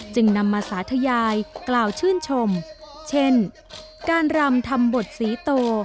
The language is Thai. จึงนำมาสาธยายกล่าวชื่นชมเช่นการรำทำบทศรีโต